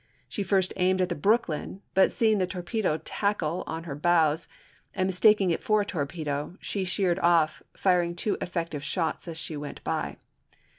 She first aimed at the Brooklyn, but seeing the torpedo tackle on her bows and mistaking it for a torpedo she sheered off, firing two effective shots as she went by.